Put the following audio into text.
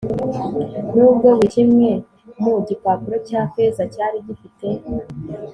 Nubwo buri kimwe mu gipapuro cya feza cyari gifite